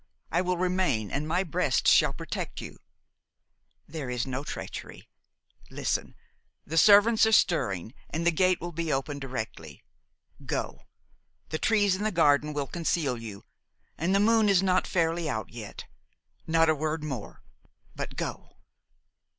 I will remain and my breast shall protect you–" "There is no treachery–listen–the servants are stirring and the gate will be opened directly. Go: the trees in the garden will conceal you, and the moon is not fairly out yet. Not a word more, but go!"